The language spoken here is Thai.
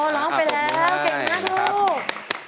แตงโมร้องไปแล้วเก่งมากลูก